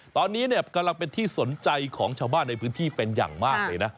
ตอนนี้กำลังเป็นที่สนใจของชาวบ้านในพื้นที่เป็นอย่างมากเลยนะ